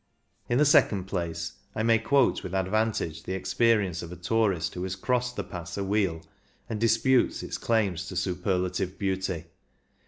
In the second place I may quote with advantage the experience of a tourist who has crossed the Pass awheel, and disputes its claims to superlative beauty.